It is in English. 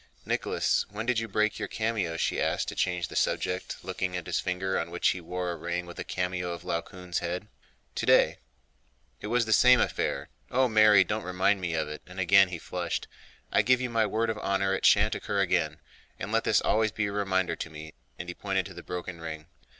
"Nicholas, when did you break your cameo?" she asked to change the subject, looking at his finger on which he wore a ring with a cameo of Laocoön's head. "Today—it was the same affair. Oh, Mary, don't remind me of it!" and again he flushed. "I give you my word of honor it shan't occur again, and let this always be a reminder to me," and he pointed to the broken ring.